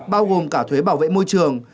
bao gồm cả thuế bảo vệ môi trường